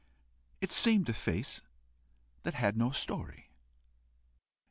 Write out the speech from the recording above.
It seemed a face that had no story.